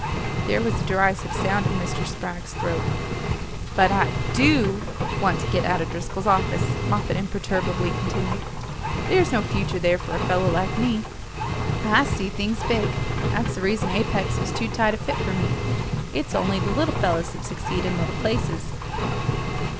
There was a derisive sound in Mr. Spragg's throat. "But I DO want to get out of Driscoll's office," Moffatt imperturbably continued. "There's no future there for a fellow like me. I see things big. That's the reason Apex was too tight a fit for me. It's only the little fellows that succeed in little places.